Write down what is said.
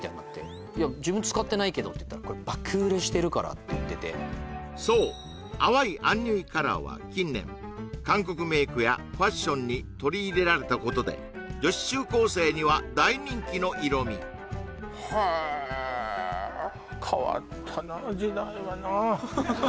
いや自分使ってないけどって言ったらこれって言っててそう淡いアンニュイカラーは近年韓国メイクやファッションに取り入れられたことで女子中高生には大人気の色みへえ変わったな時代はな